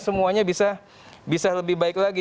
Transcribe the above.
semuanya bisa lebih baik lagi